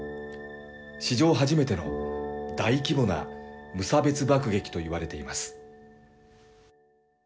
史上初めての大規模な無差別爆撃といわれています。